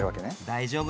大丈夫？